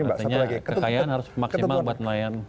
artinya kekayaan harus maksimal buat nelayan